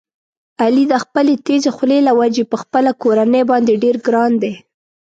علي د خپلې تېزې خولې له وجې په خپله کورنۍ باندې ډېر ګران دی.